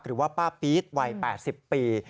หรือว่าป้าปี๊ดวัย๘๐ปี